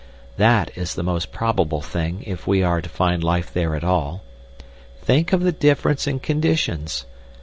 That is the most probable thing, if we are to find life there at all. Think of the difference in conditions!